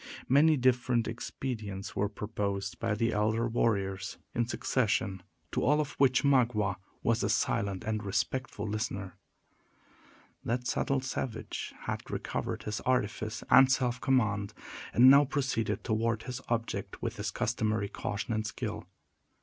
Many different expedients were proposed by the elder warriors, in succession, to all of which Magua was a silent and respectful listener. That subtle savage had recovered his artifice and self command, and now proceeded toward his object with his customary caution and skill.